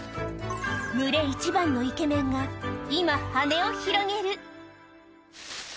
群れ一番のイケメンが、今、羽を広げる。